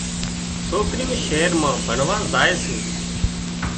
سوڪريون شهر مان ڀڻوا زائي سي